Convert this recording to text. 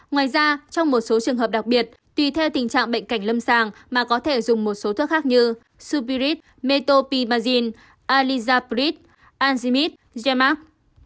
ngoài ra trong một số trường hợp đặc biệt tùy theo tình trạng bệnh cảnh lâm sàng mà có thể dùng một số thuốc khác như supirit metoprimazine alizaprid alzimid gemac